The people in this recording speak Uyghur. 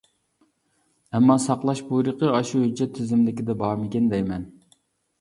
ئەمما ساقلاش بۇيرۇقى ئاشۇ ھۆججەت تىزىملىكىدە بارمىكىن دەيمەن.